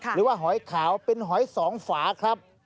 หรือว่าหอยขาวเป็นหอยสองฝาครับ